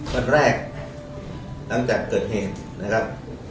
วันแรกหลังจากเกิดเหตุนะครับ